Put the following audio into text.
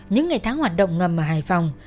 những ngày tháng hoạt động ngầm ở hải phòng